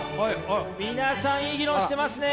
皆さんいい議論してますね。